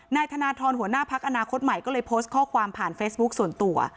นายธนทรหัวหน้าพักอนาคตใหม่ก็เลยโพสต์ข้อความผ่านเฟซบุ๊คส่วนตัว